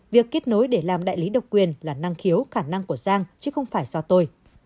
việc kết nối để làm đại lý độc quyền là năng khiếu khả năng của giang chứ không phải do tôi